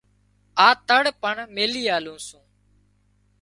آ تۯ پڻ ميلي آلوون سون